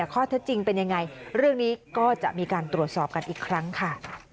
ข้อเท็จจริงเป็นยังไงเรื่องนี้ก็จะมีการตรวจสอบกันอีกครั้งค่ะ